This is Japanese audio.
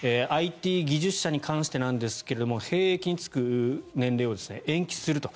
ＩＴ技術者についてですが兵役に就く年齢を延期すると。